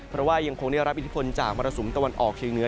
เพราะว่ายังคงได้รับอิทธิพลจากมรสุมตะวันออกเชียงเหนือ